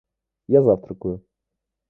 Я завтракаю.